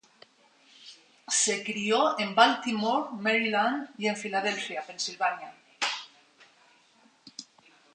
Se crió en Baltimore, Maryland y en Filadelfia, Pensilvania.